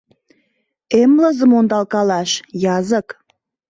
Эмлызым ондалкалаш — язык.